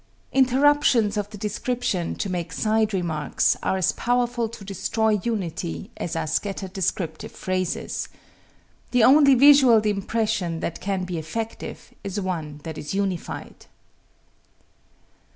Interruptions of the description to make side remarks are as powerful to destroy unity as are scattered descriptive phrases. The only visual impression that can be effective is one that is unified.